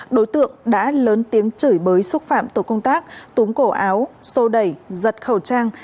đối tượng đã lớn tiếng chửi bới xúc phạm tổ công tác túm cổ áo xô đẩy giật khẩu trang